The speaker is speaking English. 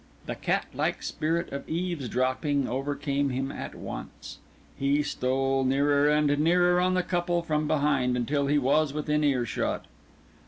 The cat like spirit of eaves dropping overcame him at once. He stole nearer and nearer on the couple from behind, until he was within earshot.